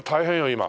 今。